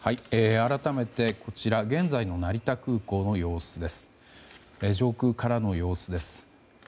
改めて現在の成田空港の上空からの様子です。